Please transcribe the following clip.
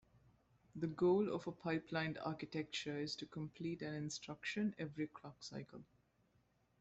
The goal of a pipelined architecture is to complete an instruction every clock cycle.